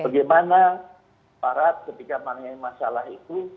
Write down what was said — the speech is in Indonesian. bagaimana para ketika mengenai masalah itu